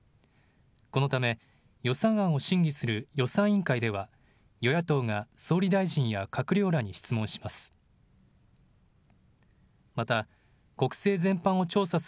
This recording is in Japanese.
このため、予算案を審議する予算委員会では、与野党が総理大臣や閣僚らに質問します。